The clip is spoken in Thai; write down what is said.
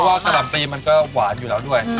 เพราะว่ากะลำตีมันก็หวานอยู่แล้วด้วย